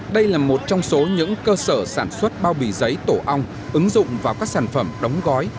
đây là một trong số những cơ sở sản xuất bao bì giấy tổ ong ứng dụng vào các sản phẩm đóng gói